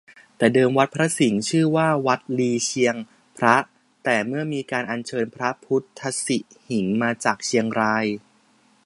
แต่เดิมวัดพระสิงห์ชื่อว่าวัดลีเชียงพระ แต่เมื่อมีการอันเชิญพระพุทธสิหิงค์มาจากเชียงราย